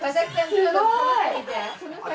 すごい。